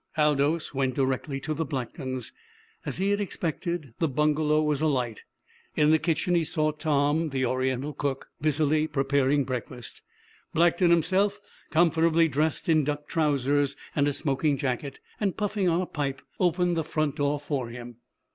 Aldous went directly to the Blacktons'. As he had expected, the bungalow was alight. In the kitchen he saw Tom, the Oriental cook, busy preparing breakfast. Blackton himself, comfortably dressed in duck trousers and a smoking jacket, and puffing on a pipe, opened the front door for him.